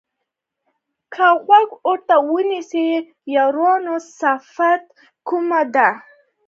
که غوږ ورته ونیسئ یارانو صفت کومه د نامیانو.